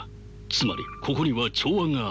つまりここには調和がある。